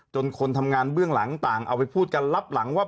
คนทำงานเบื้องหลังต่างเอาไปพูดกันรับหลังว่า